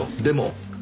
でも。